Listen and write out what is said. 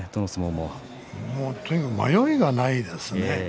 もう、とにかく迷いがないですね。